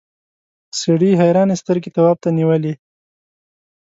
سړي حیرانې سترګې تواب ته نیولې.